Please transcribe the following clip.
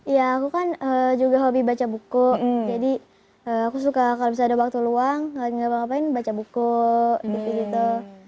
iya aku kan juga hobi baca buku jadi aku suka kalau bisa ada waktu luang gak ngapain ngapain baca buku di situ